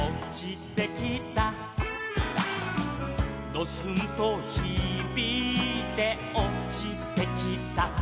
「ドスンとひびいておちてきた」